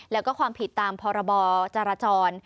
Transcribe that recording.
แล้วก็ความผิดตามพรบจรจร